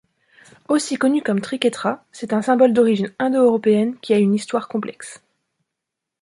Aussi connu comme triquetra, c'est un symbole d'origine indo-européenne qui a une histoire complexe.